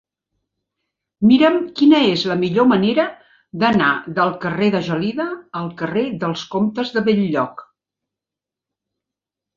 Mira'm quina és la millor manera d'anar del carrer de Gelida al carrer dels Comtes de Bell-lloc.